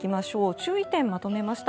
注意点をまとめました。